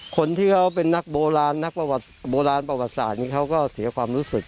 คนที่เขาเป็นนักโบราณนักประวัติโบราณประวัติศาสตร์นี้เขาก็เสียความรู้สึก